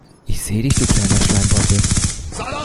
Ich seh dich du kleiner Schleimbeutel.